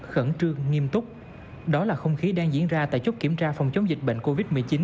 khẩn trương nghiêm túc đó là không khí đang diễn ra tại chốt kiểm tra phòng chống dịch bệnh covid một mươi chín